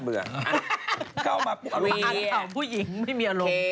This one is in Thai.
มาร่าข่าวผู้หญิงไม่มีอารมณ์